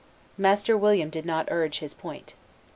Master William did not urge his point.